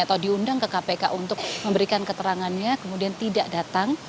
atau diundang ke kpk untuk memberikan keterangannya kemudian tidak datang